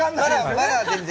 まだ全然。